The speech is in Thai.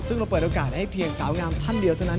ซึ่งเราเปิดโอกาสให้เพียงสาวงามท่านเดียวเท่านั้น